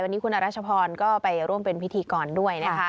วันนี้คุณอรัชพรก็ไปร่วมเป็นพิธีกรด้วยนะคะ